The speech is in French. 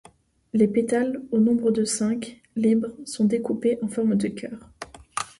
Les pétales au nombre de cinq, libres, sont découpés en forme de cœur.